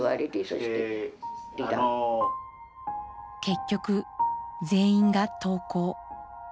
結局全員が投降。